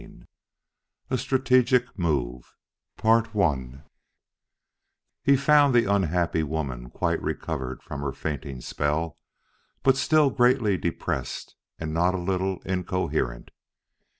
IV A STRATEGIC MOVE He found the unhappy woman quite recovered from her fainting spell, but still greatly depressed and not a little incoherent.